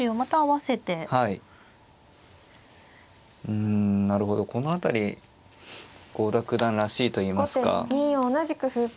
うんなるほどこの辺り郷田九段らしいといいますか。